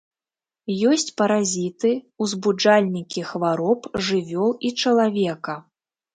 Ёсць паразіты, узбуджальнікі хвароб жывёл і чалавека.